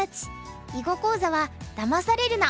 囲碁講座は「だまされるな！